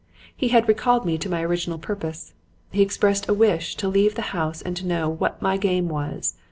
He had recalled me to my original purpose. He expressed a wish to leave the house and to know 'what my game was.'